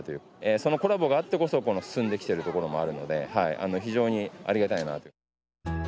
そのコラボがあってこそ進んできてるところもあるので非常にありがたいなと。